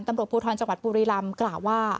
ตำรวจภูทรจังหวัดบุรีรำกล่าวว่า